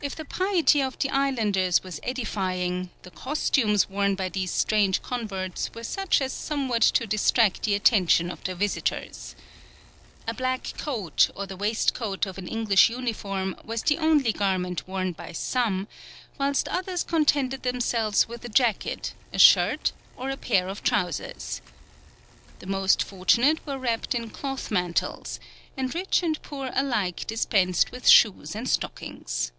If the piety of the islanders was edifying, the costumes worn by these strange converts were such as somewhat to distract the attention of the visitors. A black coat or the waistcoat of an English uniform was the only garment worn by some, whilst others contented themselves with a jacket, a shirt, or a pair of trousers. The most fortunate were wrapped in cloth mantles, and rich and poor alike dispensed with shoes and stockings.